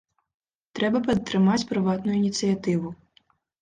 Трэба падтрымаць прыватную ініцыятыву.